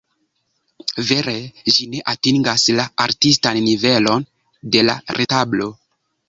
Vere ĝi ne atingas la artistan nivelo de la retablo.